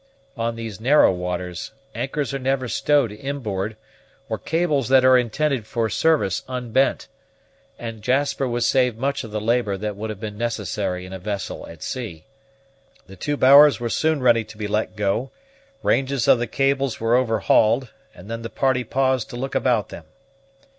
On these narrow waters anchors are never stowed in board, or cables that are intended for service unbent, and Jasper was saved much of the labor that would have been necessary in a vessel at sea. The two bowers were soon ready to be let go, ranges of the cables were overhauled, and then the party paused to look about them.